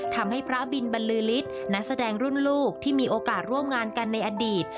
ทำให้พระบินบรรลือฤทธิ์นักแสดงรุ่นลูกที่มีโอกาสร่วมงานกันในอดีต